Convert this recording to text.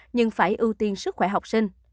nhưng phải ưu tiên sức khỏe học sinh